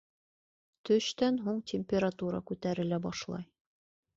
Төштән һуң температура күтәрелә башлай